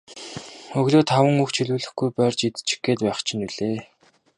Өглөө таван үг ч хэлүүлэхгүй барьж идчих гээд байх чинь билээ.